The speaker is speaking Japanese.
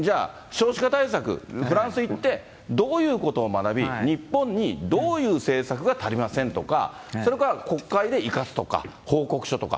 結局ね、フランス行って、どういうことを学び、日本にどういう政策が足りませんとか、それから国会で行かすとか、報告書とか。